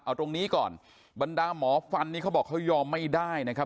เอาตรงนี้ก่อนบรรดาหมอฟันนี้เขาบอกเขายอมไม่ได้นะครับ